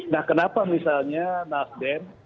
nah kenapa misalnya nasdem